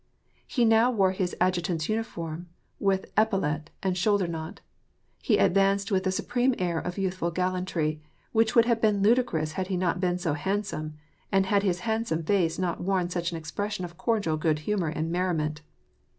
He now wore his adjutant's uniform, with epaulet and shoulder knot He ad vanced with a supreme air of youthful gallantry, which would have been ludicrous had he not been so handsome, and had his handsome face not worn such an expression of cordial good humor and merriment.